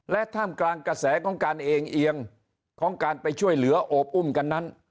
และท่ามกลางกระแสของการเองเอียงของการไปช่วยเหลือโอบอุ้มกันนั้น